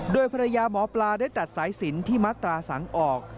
โดยภรรยาหมอปลาได้ตัดสายสินที่มัตราสังออก